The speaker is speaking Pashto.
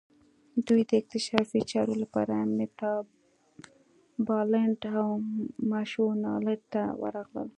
دوی د اکتشافي چارو لپاره میتابالنډ او مشونالند ته ورغلل.